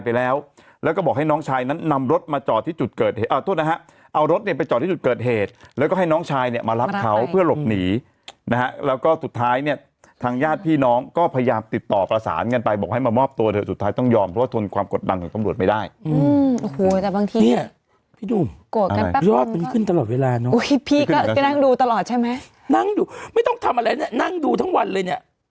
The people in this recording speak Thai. พี่ก็ไปนั่งดูตลอดใช่ไหมนั่งดูไม่ต้องทำอะไรเนี้ยนั่งดูทั้งวันเลยเนี้ย